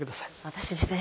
私ですね。